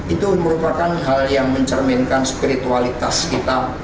itu merupakan hal yang mencerminkan spiritualitas kita